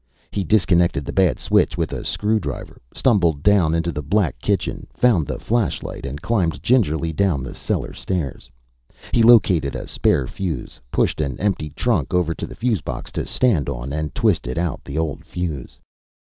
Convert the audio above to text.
He disconnected the bad switch with a screwdriver, stumbled down into the black kitchen, found the flashlight and climbed gingerly down the cellar stairs. He located a spare fuse, pushed an empty trunk over to the fuse box to stand on and twisted out the old fuse.